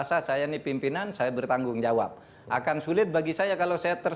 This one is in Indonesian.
saya tidak punya urusan dengan orang luar